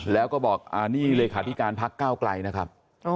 แล้วก็บอกนี่เลขาธิการพักก้าวไกลนะครับ